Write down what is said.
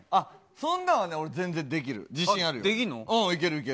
そんなんはね、俺、全然できる、自信あるよ。